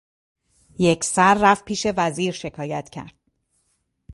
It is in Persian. یکسر رفت پیش وزیر شکایت گرد